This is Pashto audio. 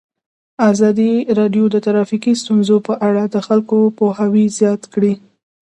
ازادي راډیو د ټرافیکي ستونزې په اړه د خلکو پوهاوی زیات کړی.